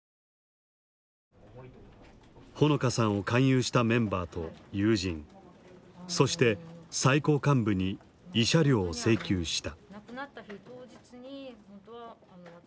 穂野香さんを勧誘したメンバーと友人そして最高幹部に慰謝料を請求した。